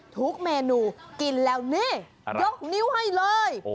ทุกเมนูกินแล้วนี่ยกนิ้วให้เลย